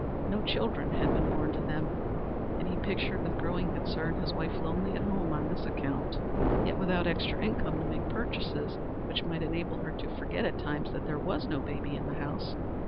No children had been born to them, and he pictured with growing concern his wife lonely at home on this account, yet without extra income to make purchases which might enable her to forget at times that there was no baby in the house.